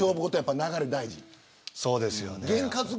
そうですね。